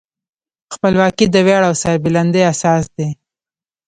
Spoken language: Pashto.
خپلواکي د ویاړ او سربلندۍ اساس دی.